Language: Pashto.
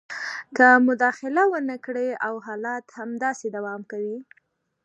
که مداخله ونه کړي او حالات همداسې دوام کوي